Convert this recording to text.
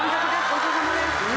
ごちそうさまです。